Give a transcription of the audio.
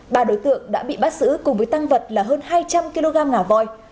ba đối tượng đã bị bắt xử cùng với tăng vật là hơn hai trăm linh kg ngả voi